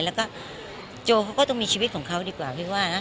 แล้วก็โจเขาก็ต้องมีชีวิตของเขาดีกว่าพี่ว่านะ